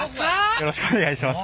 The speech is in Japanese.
よろしくお願いします。